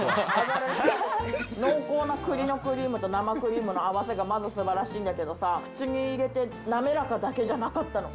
濃厚な栗のクリームと、生クリームの合わせがまず素晴らしいんですけどさ、口に入れて滑らかだけじゃなかったの。